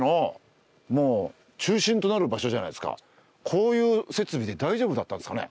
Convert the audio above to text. こういう設備で大丈夫だったんですかね？